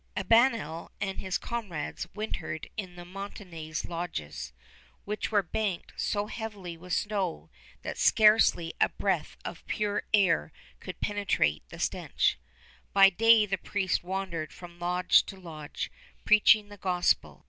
Albanel and his comrades wintered in the Montaignais' lodges, which were banked so heavily with snow that scarcely a breath of pure air could penetrate the stench. By day the priest wandered from lodge to lodge, preaching the gospel.